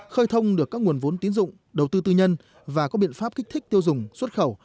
khơi thông được các nguồn vốn tín dụng đầu tư tư nhân và có biện pháp kích thích tiêu dùng xuất khẩu